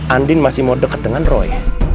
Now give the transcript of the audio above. andin masih mau dekat dengan roy